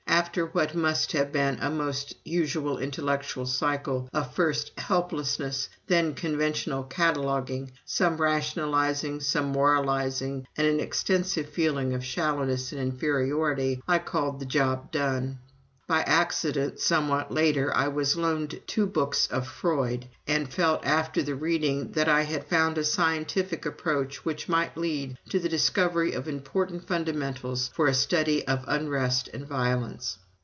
After what must have been a most usual intellectual cycle of, first, helplessness, then conventional cataloguing, some rationalizing, some moralizing, and an extensive feeling of shallowness and inferiority, I called the job done. "By accident, somewhat later, I was loaned two books of Freud, and I felt after the reading, that I had found a scientific approach which might lead to the discovery of important fundamentals for a study of unrest and violence.